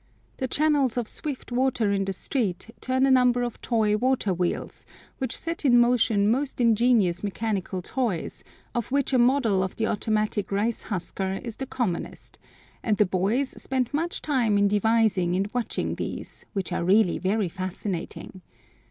The channels of swift water in the street turn a number of toy water wheels, which set in motion most ingenious mechanical toys, of which a model of the automatic rice husker is the commonest, and the boys spend much time in devising and watching these, which are really very fascinating.